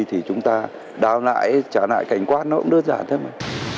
thì chúng ta đào lại trả lại cảnh quát nó cũng đơn giản thế mà